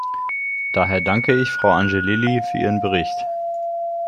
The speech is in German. Daher danke ich Frau Angelilli für ihren Bericht.